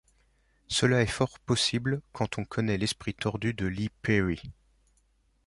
Cela est fort possible, quand on connaît l'esprit tordu de Lee Perry.